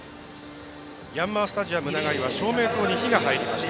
ヤンマースタジアム長居は照明灯に火が入りました。